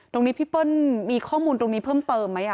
พี่เปิ้ลมีข้อมูลตรงนี้เพิ่มเติมไหม